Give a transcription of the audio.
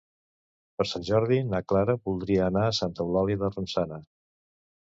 Per Sant Jordi na Clara voldria anar a Santa Eulàlia de Ronçana.